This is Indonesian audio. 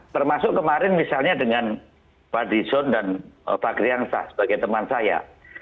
termasuk kemarin misalnya dengan pak rizon dan pak krihamsah sebagai teman saya